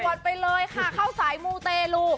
ไปเลยค่ะเข้าสายมูเตลู